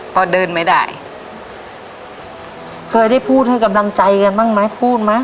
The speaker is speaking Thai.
พอเดินไม่ได้เคยได้พูดให้กำลังใจกันบ้างไหมพูดไหม